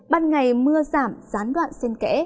ban ngày mưa giảm gián đoạn sen kẽ